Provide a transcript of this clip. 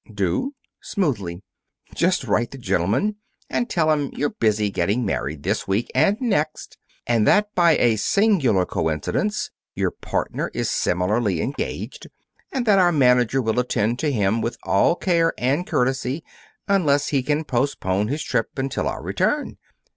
"Do?" smoothly "just write the gentleman and tell him you're busy getting married this week and next, and that, by a singular coincidence, your partner is similarly engaged; that our manager will attend to him with all care and courtesy, unless he can postpone his trip until our return.